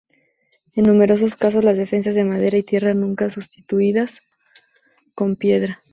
En numerosos casos las defensas de madera y tierra nunca fueron sustituidas con piedra.